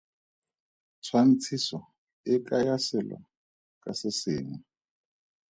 Tshwantshiso e kaya selo ka se sengwe.